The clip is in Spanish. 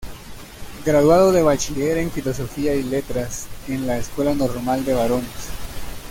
Graduado de Bachiller en Filosofía y Letras en la "Escuela Normal de Varones".